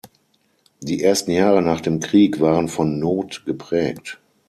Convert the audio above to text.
Die ersten Jahre nach dem Krieg waren von Not geprägt.